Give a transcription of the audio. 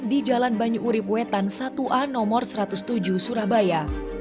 di jalan banyu urib wetan satu a nomor satu ratus tujuh surabaya